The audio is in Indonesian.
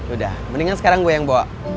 udah mendingan sekarang gue yang bawa